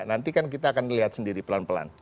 nanti kan kita akan lihat sendiri pelan pelan